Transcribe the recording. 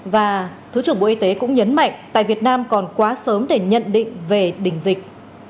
và thứ trưởng bộ y tế cũng nhấn mạnh tại việt nam còn quá sớm để nhận định về đỉnh dịch